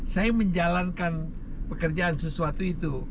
saya menjalankan pekerjaan sesuatu itu